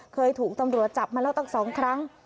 เคยถูกตำรวจจับมาแล้วตั้ง๒ครั้ง